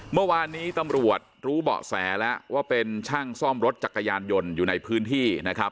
เมื่อวานนี้ตำรวจรู้เบาะแสแล้วว่าเป็นช่างซ่อมรถจักรยานยนต์อยู่ในพื้นที่นะครับ